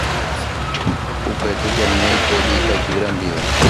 Upe tujami oikóje itajýra ndive.